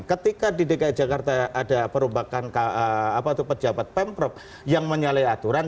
ketika di dki jakarta ada perombakan pejabat pemprov yang menyalahi aturan